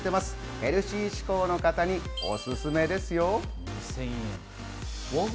ヘルシー志向の方におすすめですよ。